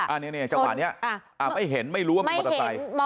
อันนี้จังหวะนี้ไม่เห็นไม่รู้ว่ามีมอเตอร์ไซค์